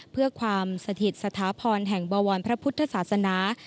เพื่อความสถิตสถาพรแห่งบวรพระพุทธศาสนา